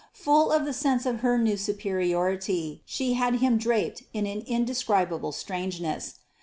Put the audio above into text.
Full of the sense of her new superiority, she met him draped in an indescribable strangeness.